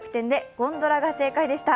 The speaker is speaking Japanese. ゴンドラが正解でした。